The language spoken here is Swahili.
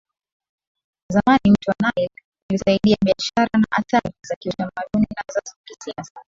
zamani mto Nile ulisaidia biashara na athari za kiutamaduni na za kisiasa